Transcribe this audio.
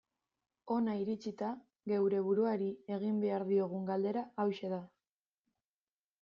Hona iritsita, geure buruari egin behar diogun galdera hauxe da.